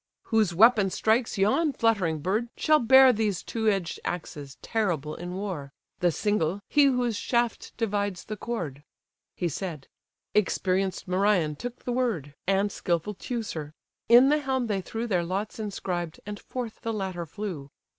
"Whose weapon strikes yon fluttering bird, shall bear These two edged axes, terrible in war; The single, he whose shaft divides the cord." He said: experienced Merion took the word; And skilful Teucer: in the helm they threw Their lots inscribed, and forth the latter flew.